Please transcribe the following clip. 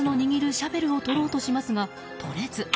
シャベルをとろうとしますが、とれず。